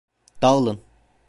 Dağılın!